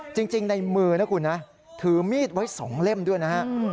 จริงในมือนะคุณถือมีดไว้สองเล่มด้วยนะครับ